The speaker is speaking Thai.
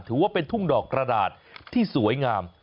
ถือว่าเป็นทุ่งดอกกระดาษที่สวยงาม